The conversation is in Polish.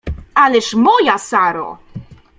— Ależ, moja Saro!